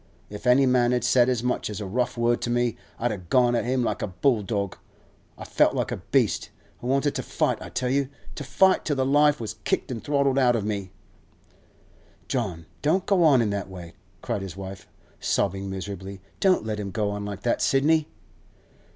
If any man had said as much as a rough word to me, I'd a gone at him like a bulldog. I felt like a beast. I wanted to fight, I tell you—to fight till the life was kicked an' throttled out of me!' 'John, don't, don't go on in that way,' cried his wife, sobbing miserably. 'Don't let him go on like that, Sidney.